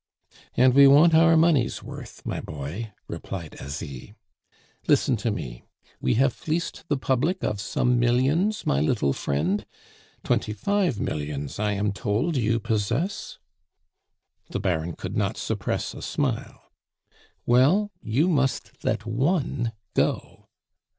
"And we want our money's worth, my boy," replied Asie. "Listen to me. We have fleeced the public of some millions, my little friend? Twenty five millions I am told you possess." The Baron could not suppress a smile. "Well, you must let one go."